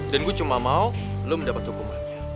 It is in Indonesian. dan gue cuma mau lo mendapat hubungannya